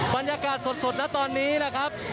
บรรยากาศสดนะตอนนี้นะครับ